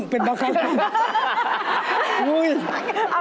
เอาลองมาเจอกัน